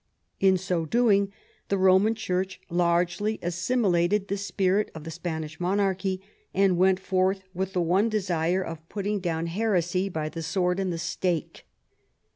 In so doing, the Roman Church largely assimilated the spirit of the Spanish monarchy, and went forth with the one desire of putting down heresy by the sword and the stake.